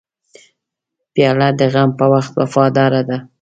پیاله د غم په وخت وفاداره ده.